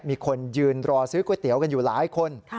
มีคนยืนรอซื้อก๋วยเตี๋ยวกันอยู่หลายคน